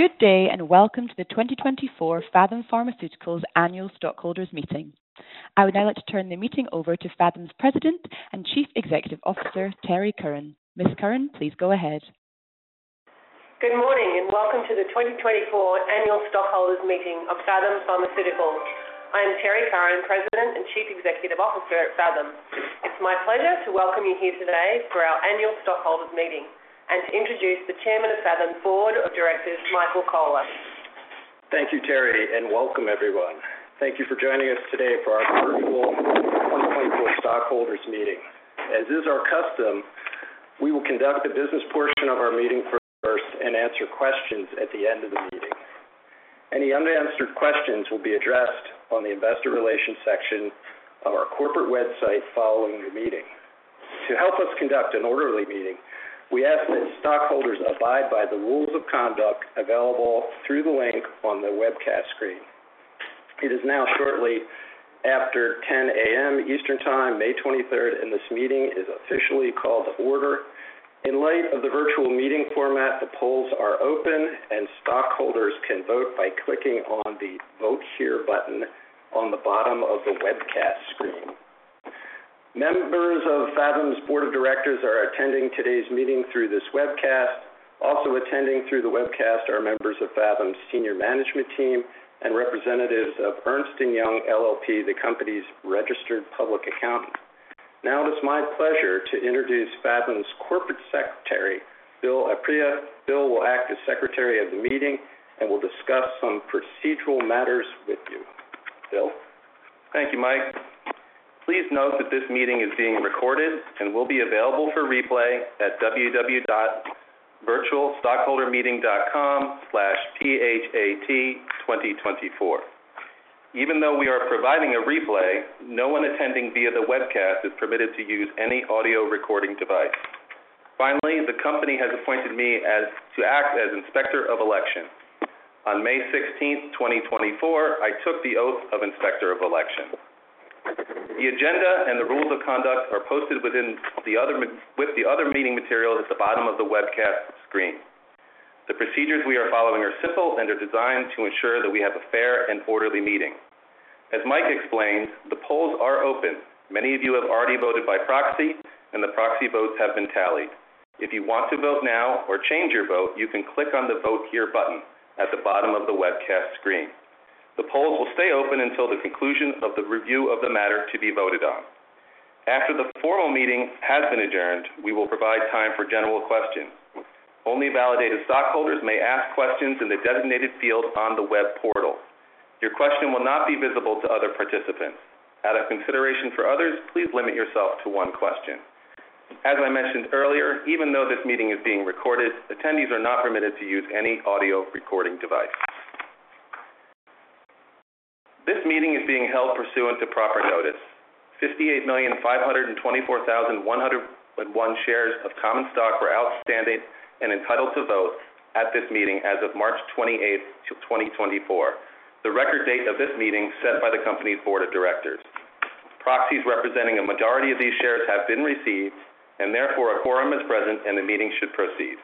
Good day, and welcome to the 2024 Phathom Pharmaceuticals Annual Stockholders Meeting. I would now like to turn the meeting over to Phathom's President and Chief Executive Officer, Terrie Curran. Ms. Curran, please go ahead. Good morning, and welcome to the 2024 Annual Stockholders Meeting of Phathom Pharmaceuticals. I am Terrie Curran, President and Chief Executive Officer at Phathom. It's my pleasure to welcome you here today for our Annual Stockholders Meeting and to introduce the Chairman of Phathom Board of Directors, Michael Cola. Thank you, Terrie, and welcome, everyone. Thank you for joining us today for our virtual 2024 Stockholders Meeting. As is our custom, we will conduct the business portion of our meeting first and answer questions at the end of the meeting. Any unanswered questions will be addressed on the investor relations section of our corporate website following the meeting. To help us conduct an orderly meeting, we ask that stockholders abide by the rules of conduct available through the link on the webcast screen. It is now shortly after 10 A.M. Eastern Time, May 23rd, and this meeting is officially called to order. In light of the virtual meeting format, the polls are open, and stockholders can vote by clicking on the Vote Here button on the bottom of the webcast screen. Members of Phathom's Board of Directors are attending today's meeting through this webcast. Also attending through the webcast are members of Phathom's senior management team and representatives of Ernst & Young LLP, the company's registered public accountant. Now it's my pleasure to introduce Phathom's Corporate Secretary, Bill Aprea. Bill will act as secretary of the meeting and will discuss some procedural matters with you. Bill? Thank you, Mike. Please note that this meeting is being recorded and will be available for replay at www.virtualstockholdermeeting.com/phathom2024. Even though we are providing a replay, no one attending via the webcast is permitted to use any audio recording device. Finally, the company has appointed me to act as Inspector of Election. On May 16, 2024, I took the oath of Inspector of Election. The agenda and the rules of conduct are posted with the other meeting materials at the bottom of the webcast screen. The procedures we are following are simple and are designed to ensure that we have a fair and orderly meeting. As Mike explained, the polls are open. Many of you have already voted by proxy, and the proxy votes have been tallied. If you want to vote now or change your vote, you can click on the Vote Here button at the bottom of the webcast screen. The polls will stay open until the conclusion of the review of the matter to be voted on. After the formal meeting has been adjourned, we will provide time for general questions. Only validated stockholders may ask questions in the designated field on the web portal. Your question will not be visible to other participants. Out of consideration for others, please limit yourself to one question. As I mentioned earlier, even though this meeting is being recorded, attendees are not permitted to use any audio recording device. This meeting is being held pursuant to proper notice. 58,524,101 shares of common stock were outstanding and entitled to vote at this meeting as of March 28, 2024, the record date of this meeting set by the Company's board of directors. Proxies representing a majority of these shares have been received, and therefore a quorum is present, and the meeting should proceed.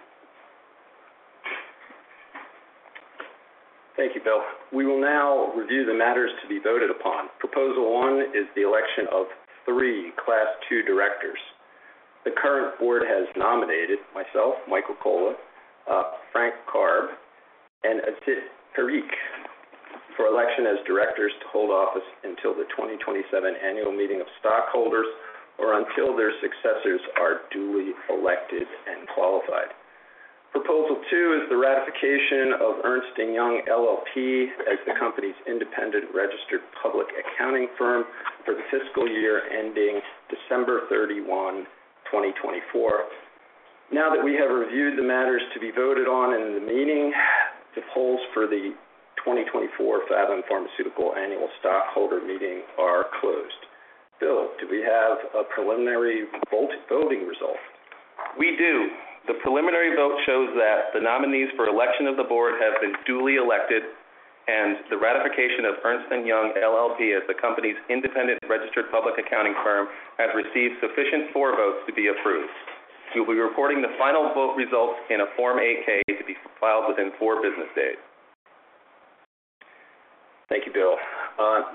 Thank you, Bill. We will now review the matters to be voted upon. Proposal one is the election of three Class II directors. The current board has nominated myself, Michael Cola, Frank Karbe, and Asit Parikh for election as directors to hold office until the 2027 Annual Meeting of Stockholders or until their successors are duly elected and qualified. Proposal two is the ratification of Ernst & Young LLP as the company's independent registered public accounting firm for the fiscal year ending December 31, 2024. Now that we have reviewed the matters to be voted on in the meeting, the polls for the 2024 Phathom Pharmaceuticals Annual Stockholders Meeting are closed. Bill, do we have a preliminary voting result? We do. The preliminary vote shows that the nominees for election of the board have been duly elected, and the ratification of Ernst & Young LLP as the company's independent registered public accounting firm has received sufficient votes to be approved. We'll be reporting the final vote results in a Form 8-K to be filed within four business days. Thank you, Bill.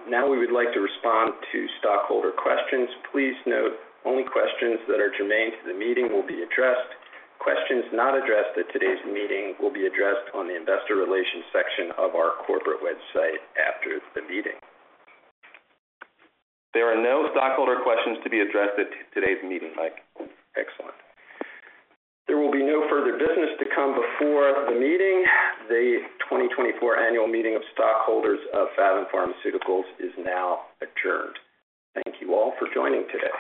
Now we would like to respond to stockholder questions. Please note, only questions that are germane to the meeting will be addressed. Questions not addressed at today's meeting will be addressed on the investor relations section of our corporate website after the meeting. There are no stockholder questions to be addressed at today's meeting, Mike. Excellent. There will be no further business to come before the meeting. The 2024 Annual Meeting of Stockholders of Phathom Pharmaceuticals is now adjourned. Thank you all for joining today.